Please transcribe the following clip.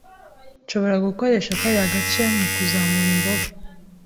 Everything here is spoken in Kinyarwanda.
Nshobora gukoresha kariya gace mu kuzamura imboga?